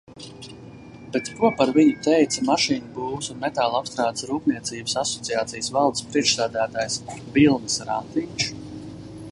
Bet ko par viņu teica Mašīnbūves un metālapstrādes rūpniecības asociācijas valdes priekšsēdētājs Vilnis Rantiņš?